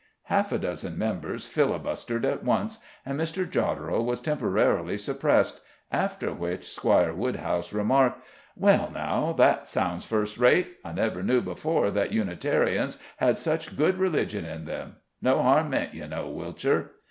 Half a dozen members filibustered at once, and Mr. Jodderel was temporarily suppressed, after which Squire Woodhouse remarked: "Well, now, that sounds first rate I never knew before that Unitarians had such good religion in them no harm meant, you know, Whilcher."